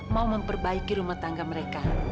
mau memperbaiki rumah tangga mereka